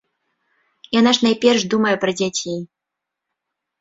Яна ж найперш думае пра дзяцей.